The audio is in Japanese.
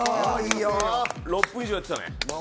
６分以上やってたね。